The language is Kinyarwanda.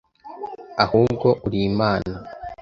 Ahubwo uri Imana